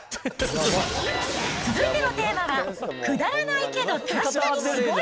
続いてのテーマは、くだらないけど確かにすごい！